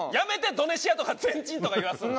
「ドネシア」とか「ゼンチン」とか言わすの。